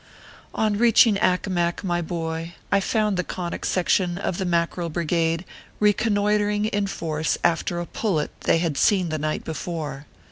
On reaching Accomac, my boy, I found the Conic Section of the Mackerel Brigade reconnoitering in force after a pullet they had seen the night before.